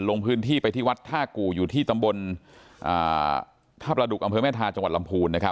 ลงพื้นที่ไปที่วัดท่ากู่อยู่ที่ตำบลท่าประดุกอำเภอแม่ทาจังหวัดลำพูน